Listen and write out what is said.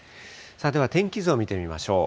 では、天気図を見てみましょう。